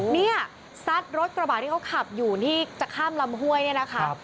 ซัดรถกระบาดที่เขาขับอยู่ที่จะข้ามลำห้วยเนี่ยนะคะ